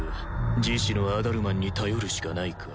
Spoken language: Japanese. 示指のアダルマンに頼るしかないか？